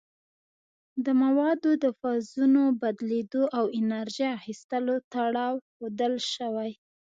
د موادو د فازونو بدلیدو او انرژي اخیستلو تړاو ښودل شوی.